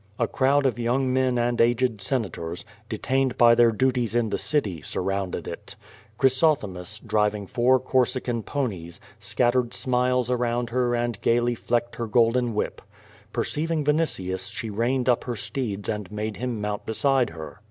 A crowd of young men and aged Senators, detained by their duties in the city, surrounded it. Chrysothemis, driving four Corsican ponies, scattered smiles around her and gaily flecked her golden whip. Perceiving Vinitius she reined up her steeds and niade him mount beside her.